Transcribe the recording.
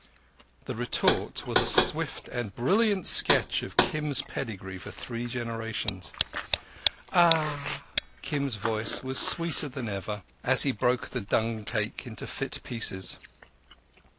The retort was a swift and brilliant sketch of Kim's pedigree for three generations. "Ah!" Kim's voice was sweeter than ever, as he broke the dung cake into fit pieces.